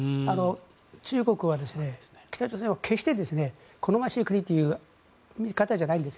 中国は北朝鮮を決して好ましい国という見方じゃないんです。